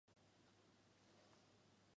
透纳娱乐公司建立。